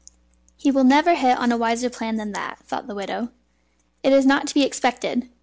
"He will never hit on a wiser plan than that," thought the widow; "it is not to be expected."